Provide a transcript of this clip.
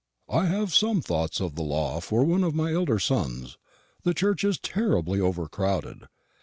I have some thoughts of the Law for one of my elder sons; the Church is terribly overcrowded.